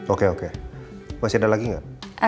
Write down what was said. oke oke masih ada lagi nggak